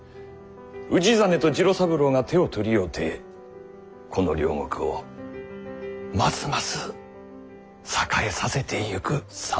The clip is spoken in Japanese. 氏真と次郎三郎が手を取り合うてこの領国をますます栄えさせてゆく様がなあ。